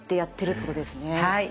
はい。